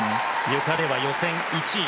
ゆかでは予選１位。